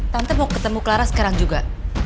tante mau ketemu clara sekarang juga